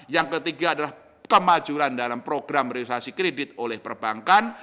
yang ketiga adalah kemajuran dalam program realisasi kredit oleh perbankan